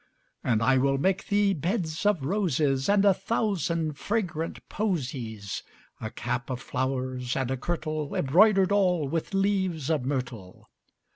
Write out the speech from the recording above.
And I will make thee beds of roses And a thousand fragrant posies; 10 A cap of flowers, and a kirtle Embroider'd all with leaves of myrtle.